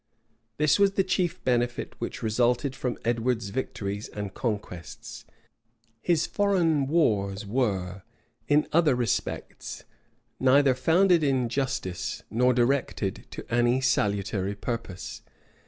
This was the chief benefit which resulted from Edward's victories and conquests. His foreign wars were, in other respects, neither founded in justice, nor directed to any salutary purpose.